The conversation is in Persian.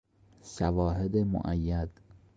شواهد موید